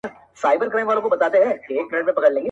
له ژونده ستړی نه وم، ژوند ته مي سجده نه کول.